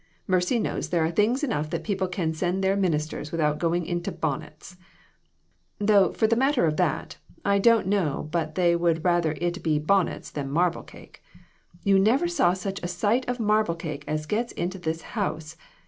Mercy knows there are things enough that people can send their min ister without going into bonnets ! Though for the matter of that, I don't know but they would rather it would be bonnets than marble cake. You never saw such a sight of marble cake as gets into this house